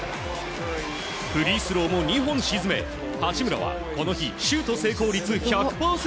フリースローも２本沈め八村はこの日シュート成功率１００％。